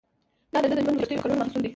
دا د ده ژوند وروستیو کلونو محصول دی.